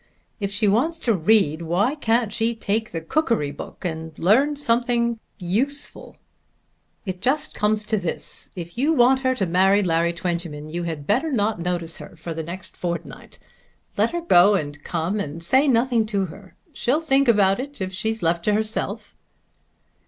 If she wants to read why can't she take the cookery book and learn something useful? It just comes to this; if you want her to marry Larry Twentyman you had better not notice her for the next fortnight. Let her go and come and say nothing to her. She'll think about it, if she's left to herself."